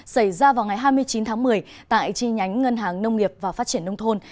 xảy ra vào ngày hai mươi chín tháng một mươi tại chi nhánh ngân hàng nông nghiệp và phát triển nông thôn